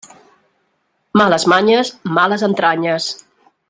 Males manyes, males entranyes.